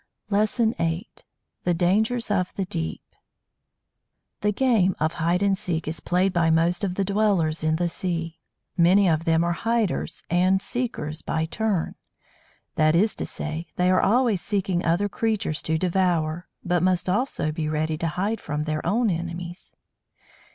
LESSON VIII THE DANGERS OF THE DEEP The "game" of hide and seek is played by most of the dwellers in the sea. Many of them are "hiders" and "seekers" by turn. That is to say, they are always seeking other creatures to devour, but must also be ready to hide from their own enemies.